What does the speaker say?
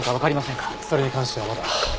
それに関してはまだ。